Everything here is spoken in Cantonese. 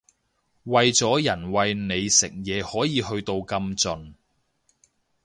為咗人餵你食嘢你可以去到幾盡